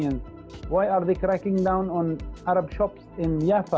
kenapa mereka mencabut kedai arab di jaffa